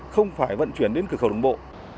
không phải vận chuyển đến cửa khẩu đường bộ